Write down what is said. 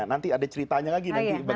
nanti ada ceritanya lagi